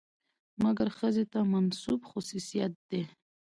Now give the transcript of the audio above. مکر ښځې ته منسوب خصوصيت دى.